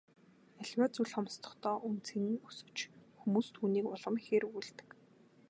Аливаа зүйл хомсдохдоо үнэ цэн нь өсөж хүмүүс түүнийг улам ихээр үгүйлдэг.